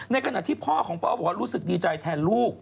ขณะที่พ่อของพ่อบอกว่ารู้สึกดีใจแทนลูก